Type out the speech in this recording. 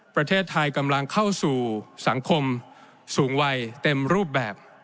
ประเทศไทยกำลังเข้าสู่สังคมสูงวัยเต็มรูปแบบ